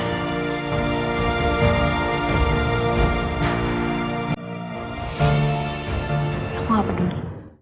aku mau hape dulu